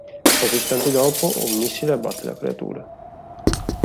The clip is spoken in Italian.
Pochi istanti dopo, un missile abbatte la creatura.